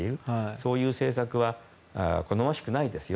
そういう政策は好ましくないですよ